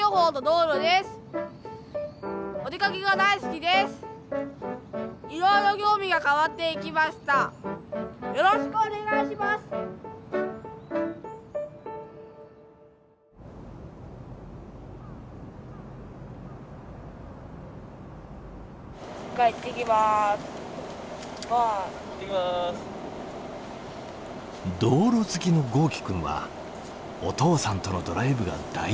道路好きの豪輝君はお父さんとのドライブが大好き。